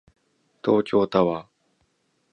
東京タワー